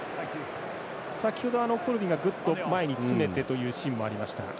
先ほど、コルビがグッと前に詰めてというシーンもありました。